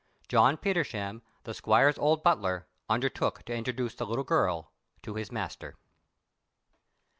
John Petersham, the squire's old butler, undertook to introduce the little girl to his master.